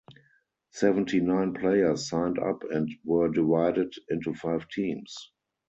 Seventy-nine players signed up and were divided into five teams.